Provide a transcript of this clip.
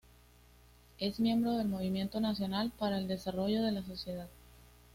Es miembro del Movimiento Nacional para el Desarrollo de la Sociedad.